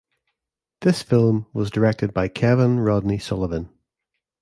This film was directed by Kevin Rodney Sullivan.